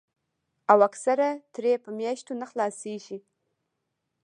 او اکثر ترې پۀ مياشتو نۀ خلاصيږي